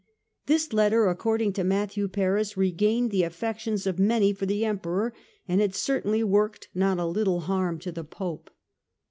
This letter, according to Matthew Paris, regained the affections of many for the Emperor, and it certainly worked not a little harm to the Pope.